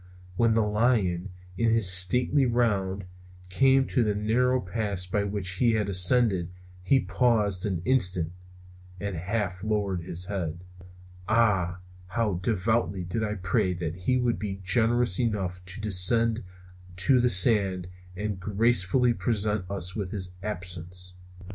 When the lion, in his stately round, came to the narrow pass by which he had ascended he paused an instant, and half lowered his head. Ah, how devoutly I did pray that he would be generous enough to descend to the sands and gracefully present us with his absence.